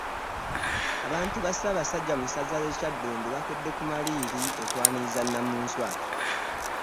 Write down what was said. Abantu ba Ssaabasajja mu ssaza Kyaddondo baakedde ku maliiri okwaniriza Nnamunswa.